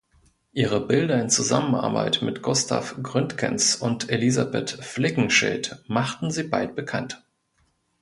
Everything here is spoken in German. Ihre Bilder in Zusammenarbeit mit Gustaf Gründgens und Elisabeth Flickenschildt machten sie bald bekannt.